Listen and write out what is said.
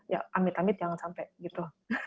ya ambit ambit jangan sampai gitu